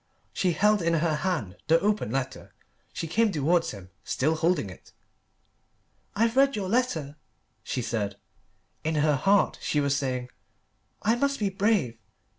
She held in her hand the open letter. She came towards him, still holding it. "I've read your letter," she said. In her heart she was saying, "I must be brave.